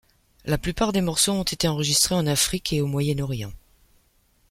La plupart des morceaux ont été enregistrés en Afrique et au Moyen-Orient.